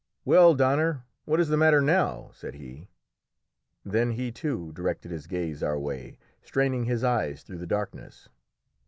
"Well, Donner, what is the matter now?" said he. Then he, too, directed his gaze our way, straining his eyes through the darkness.